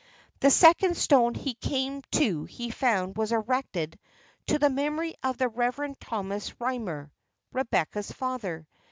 The second stone he came to he found was erected To the memory of the Reverend Thomas Rymer, Rebecca's father.